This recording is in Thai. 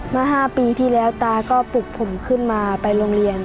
เมื่อ๕ปีที่แล้วตาก็ปลุกผมขึ้นมาไปโรงเรียน